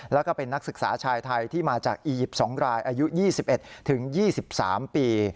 แล้วก็เป็นนักศึกษาชายไทยที่มาจากอียิปต์๒รายอายุ๒๑๒๓ปี